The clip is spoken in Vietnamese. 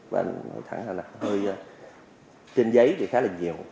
và nói thẳng là hơi trên giấy thì khá là nhiều